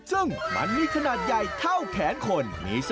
ซึ่งมันมีขนาดใหญ่เท่าแขนคน